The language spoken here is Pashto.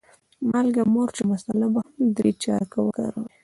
مالګه، مرچ او مساله به هم درې چارکه وکاروې.